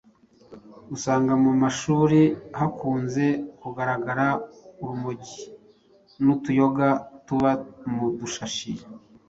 usanga mu mashuri hakunze kugaragara urumogi n’utuyoga tuba mu dushashi